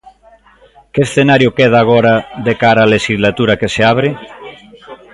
Que escenario queda agora de cara á lexislatura que se abre?